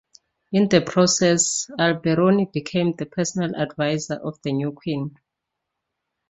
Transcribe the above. In the process, Alberoni became the personal adviser of the new queen.